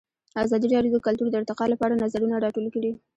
ازادي راډیو د کلتور د ارتقا لپاره نظرونه راټول کړي.